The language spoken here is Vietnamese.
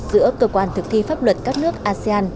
giữa cơ quan thực thi pháp luật các nước asean